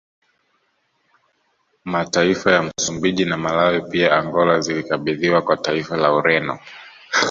Mataifa ya Msumbiji na Malawi pia Angola zilikabidhiwa kwa taifa la Ureno